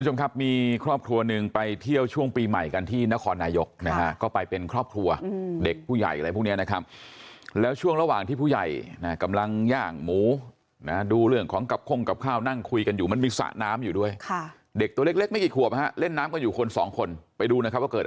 คุณผู้ชมครับมีครอบครัวหนึ่งไปเที่ยวช่วงปีใหม่กันที่นครนายกนะฮะก็ไปเป็นครอบครัวเด็กผู้ใหญ่อะไรพวกเนี้ยนะครับแล้วช่วงระหว่างที่ผู้ใหญ่นะกำลังย่างหมูนะดูเรื่องของกับคงกับข้าวนั่งคุยกันอยู่มันมีสระน้ำอยู่ด้วยค่ะเด็กตัวเล็กเล็กไม่กี่ขวบฮะเล่นน้ำกันอยู่คนสองคนไปดูนะครับว่าเกิด